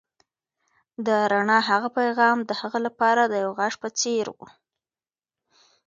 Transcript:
د رڼا هغه پیغام د هغه لپاره د یو غږ په څېر و.